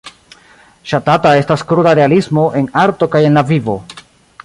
Ŝatata estas kruda realismo, en arto kaj en la vivo.